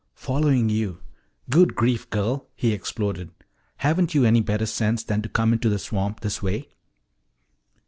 "Following you. Good grief, girl," he exploded, "haven't you any better sense than to come into the swamp this way?"